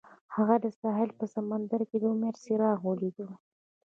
هغه د ساحل په سمندر کې د امید څراغ ولید.